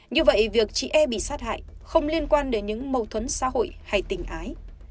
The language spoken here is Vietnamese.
như vậy việc chị e bị sát hại không liên quan đến những mâu thuẫn xã hội hay tình ái